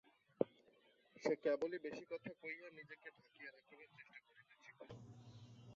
সে কেবলই বেশি কথা কহিয়া নিজেকে ঢাকিয়া রাখিবারই চেষ্টা করিতেছিল।